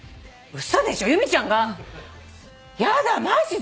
嘘でしょ由美ちゃんが！？やだマジで！？